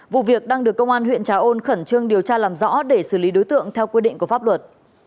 vụ việc đang được công an huyện trà ôn khẩn trương điều tra làm rõ để xử lý đối tượng theo quy định của pháp luật